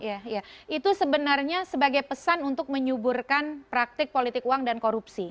iya itu sebenarnya sebagai pesan untuk menyuburkan praktik politik uang dan korupsi